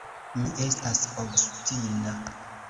Mi estas obstina.